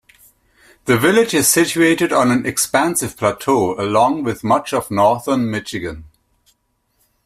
The village is situated on an expansive plateau, along with much of Northern Michigan.